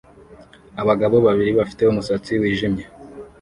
Abagabo babiri bafite umusatsi wijimye